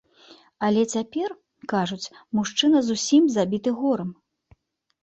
Але цяпер, кажуць, мужчына зусім забіты горам.